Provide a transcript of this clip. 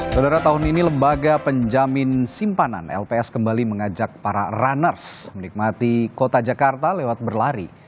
saudara tahun ini lembaga penjamin simpanan lps kembali mengajak para runners menikmati kota jakarta lewat berlari